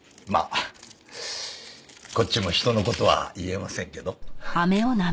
まあこっちも人の事は言えませんけど。